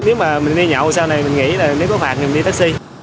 nếu mà mình đi nhậu sau này mình nghĩ là nếu có phạt thì mình đi taxi